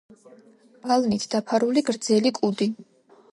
ბალნით დაფარული გრძელი კუდი.